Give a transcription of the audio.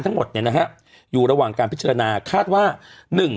ทั้งหมดเนี่ยนะฮะอยู่ระหว่างการพิจารณาคาดว่า